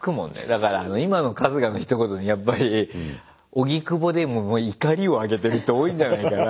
だから今の春日のひと言はやっぱり荻窪でも怒りをあげてる人多いんじゃないかな。